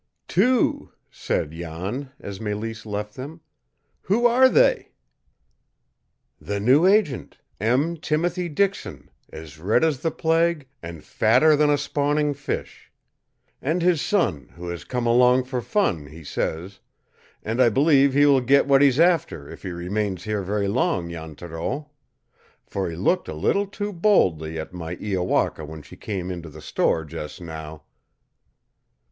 "Two!" said Jan, as Mélisse left them. "Who are they?" "The new agent, M. Timothy Dixon, as red as the plague, and fatter than a spawning fish! And his son, who has come along for fun, he says; and I believe he will get what he's after if he remains here very long, Jan Thoreau, for he looked a little too boldly at my Iowaka when she came into the store just now!"